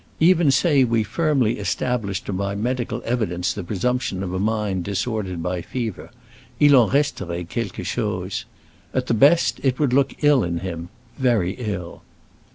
Even say we firmly established by medical evidence the presumption of a mind disordered by fever, il en resterait quelque chose. At the best it would look ill in him. Very ill!"